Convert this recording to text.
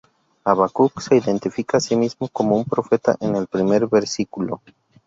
Habacuc se identifica a sí mismo como un profeta en el primer versículo.